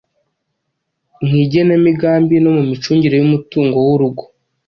mu igenamigambi no mu micungire y’umutungo w’urugo